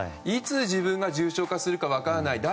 いつ自分が重症化するか分からない。